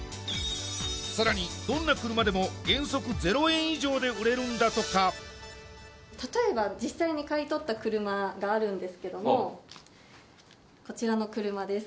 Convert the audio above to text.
更にどんな車でも原則０円以上で売れるんだとか例えば実際に買い取った車があるんですけどもこちらの車です